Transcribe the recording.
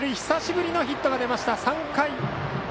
久しぶりのヒットが出ました。